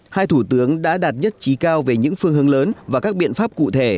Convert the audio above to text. hai thủ tướng đã đạt nhất trí cao về những phương hướng lớn và các biện pháp cụ thể